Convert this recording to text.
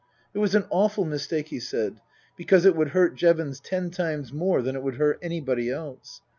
It was an awful mistake, he said, because it would hurt Jevons ten times more than it would hurt anybody else.